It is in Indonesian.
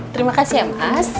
terima kasih ya mas